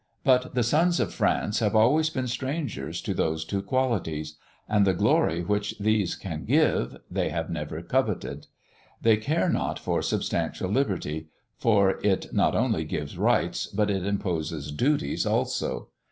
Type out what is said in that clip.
But the sons of France have always been strangers to those two qualities; and the glory which these can give, they have never coveted. They care not for substantial liberty, for it not only gives rights, but it imposes duties also.